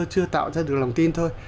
chưa tạo ra được lòng tin thôi